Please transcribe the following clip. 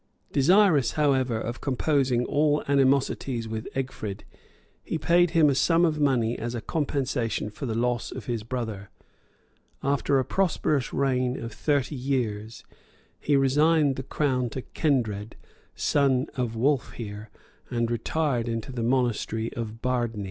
Desirous, however, of composing all animosities with Egfrid, he paid him a sum of money as a compensation for the loss of his brother. After a prosperous reign of thirty years, he resigned the crown to Kendred, son of Wolfhere, and retired into the monastery of Bardney.